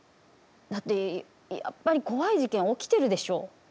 だって、やっぱり怖い事件起きてるでしょ。